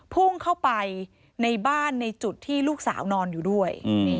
พุ่งเข้าไปในบ้านในจุดที่ลูกสาวนอนอยู่ด้วย